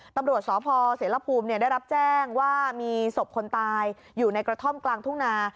ตำรวจสพเสรภูมิได้รับแจ้งว่ามีศพคนตายอยู่ในกระท่อมกลางทุ่งนา